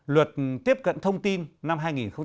luật tiếp cận thông tin năm hai nghìn một mươi bốn